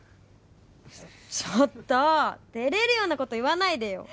ちょっと照れるようなこと言わないでよ